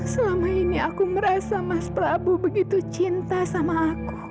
selama ini aku merasa mas prabu begitu cinta sama aku